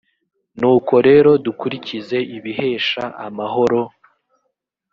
nuko rero dukurikize ibihesha amahoro